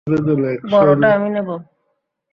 বড়টা আমি নেবো।